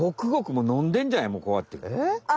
もうこうやって。